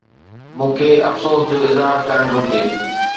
مون کي افسوس جو اظهار ڪرڻ گهرجي؟